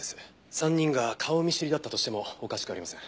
３人が顔見知りだったとしてもおかしくありません。